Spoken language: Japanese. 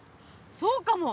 そうかも！